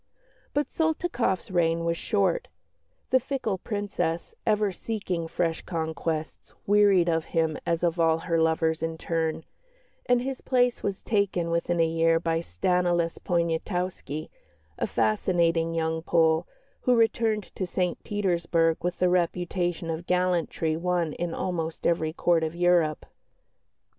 But Soltykoff's reign was short; the fickle Princess, ever seeking fresh conquests, wearied of him as of all her lovers in turn, and his place was taken within a year by Stanislas Poniatowski, a fascinating young Pole, who returned to St Petersburg with a reputation of gallantry won in almost every Court of Europe.